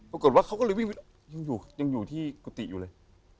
ปรากฏว่าเขาก็เลยวิ่งยังอยู่ที่กุฏิอยู่เลย